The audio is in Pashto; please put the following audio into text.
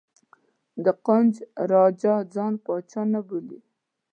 د قنوج راجا ځان پاچا نه بولي.